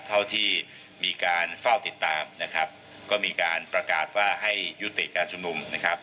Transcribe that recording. เท่าที่มีการเฝ้าติดตามนะครับก็มีการประกาศว่าให้ยุติการชุมนุมนะครับ